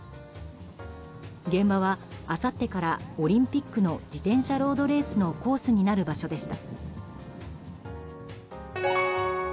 現場はあさってからオリンピックの自転車ロードレースのコースになる場所でした。